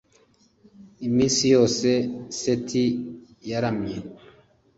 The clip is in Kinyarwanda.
Iminsi yose Seti yaramye